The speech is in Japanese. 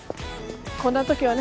こんなときはね